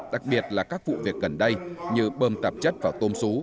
đặc biệt là các vụ việc gần đây như bơm tạp chất vào tôm xú